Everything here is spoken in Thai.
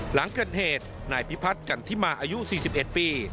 หลังเกิดเหตุนายพิพัฒน์กันที่มาอายุสี่สิบเอ็ดปี